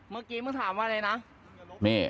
เมื่อกี้มึงถามว่าอะไรนะมึงถามเก๋งไหมหรอลองดูตรงนี้นะฮะ